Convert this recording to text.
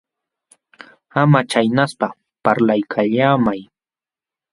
Ama chaynaspa, parlaykallaamay.